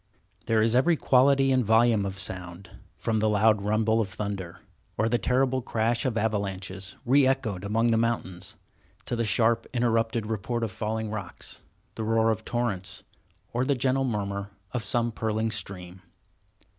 There is every quality and volume of sound, from the loud rumble of thunder, or the terrible crash of avalanches, re echoed among the mountains, to the sharp, interrupted report of falling rocks, the roar of torrents, or the gentle murmur of some purling stream.